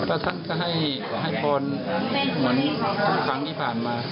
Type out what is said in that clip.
ก็ทั้งก็ให้พรเหมือนทุกครั้งที่ผ่านมา